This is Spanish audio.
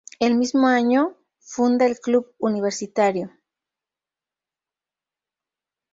El mismo año funda el Club Universitario.